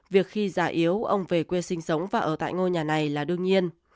việc khi già yếu ông về quê sinh sống và ở tại ngôi nhà này là đương nhiên